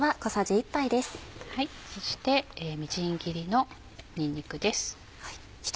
そしてみじん切りのにんにくです。